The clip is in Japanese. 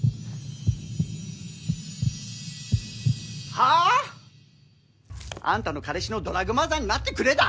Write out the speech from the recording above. はぁ！？あんたの彼氏のドラァグマザーになってくれだ！？